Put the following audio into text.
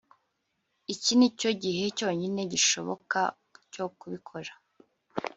Iki nicyo gihe cyonyine gishoboka cyo kubikora